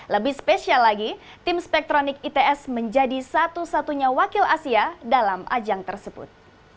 lebih spesial lagi tim spektronik its menjadi satu satunya wakil asia dalam ajang tersebut